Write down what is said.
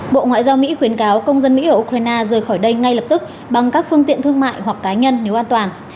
bộ ngoại giao mỹ khuyến cáo công dân mỹ ở ukraine rời khỏi đây ngay lập tức bằng các phương tiện thương mại hoặc cá nhân nếu an toàn